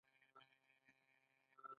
وردګ یو غیرتي او علم دوسته قوم دی.